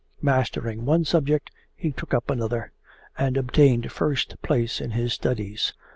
Mastering one subject he took up another, and obtained first place in his studies.